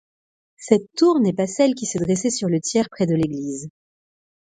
Cette tour n'est pas celle qui se dressait sur le tièr près de l'église.